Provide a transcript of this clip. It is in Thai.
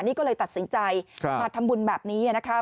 นี่ก็เลยตัดสินใจมาทำบุญแบบนี้นะคะ